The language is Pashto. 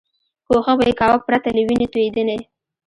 کوښښ به یې کاوه پرته له وینې توېدنې.